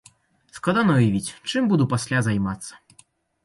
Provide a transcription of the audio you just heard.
Складана ўявіць, чым буду пасля займацца.